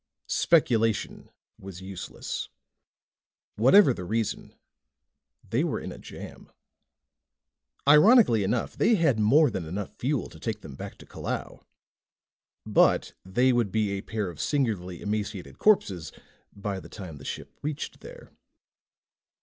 Speculation was useless. Whatever the reason, they were in a jam. Ironically enough, they had more than enough fuel to take them back to Calao. But they would be a pair of singularly emaciated corpses by the time the ship reached there.